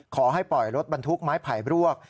ขอให้ปล่อยรถบรรทุกไม้ไผ่บรวก